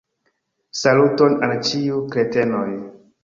Saluton al ĉiuj kretenoj